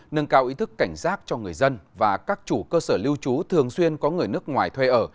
nâng cao ý thức cảnh giác cho người dân và các chủ cơ sở lưu trú thường xuyên có người nước ngoài thuê ở